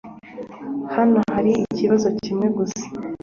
Hano hari ikibazo kimwe gusa .